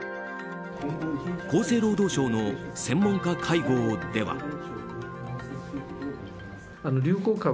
厚生労働省の専門家会合では。